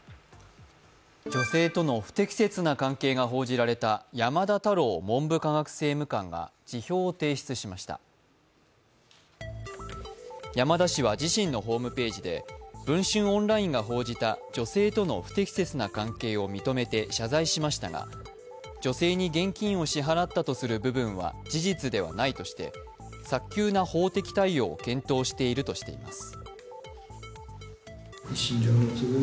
女性との不適切な関係が報じられた山田太郎文部科学政務官が辞表を提出しました山田氏は自身のホームページで、文春オンラインが報じた女性との不適切な関係を認めて、謝罪しましたが、女性に現金を支払ったとする部分は事実ではないとして早急な法的対応を検討しているとしています。